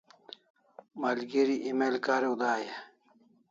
Malgeri email kariu dai e?